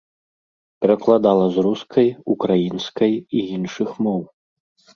Перакладала з рускай, украінскай і іншых моў.